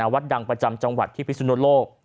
วัดดังประจำจังหวัดที่พิสุนโลก